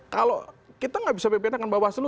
kalau kita nggak bisa pimpinan bawaslu